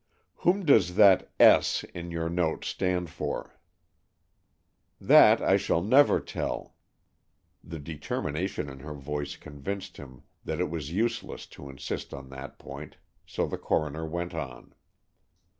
"Whom does that S. in your note stand for." "That I shall never tell." The determination in her voice convinced him that it was useless to insist on that point, so the coroner went on.